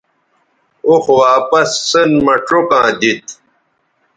اوخ واپس سین مہ چوکاں دیتھ